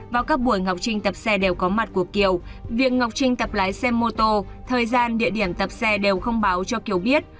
vào các buổi ngọc trinh tập xe đều có mặt của kiều việc ngọc trinh tập lái xe mô tô thời gian địa điểm tập xe đều không báo cho kiều biết